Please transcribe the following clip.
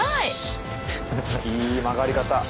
いい曲がり方。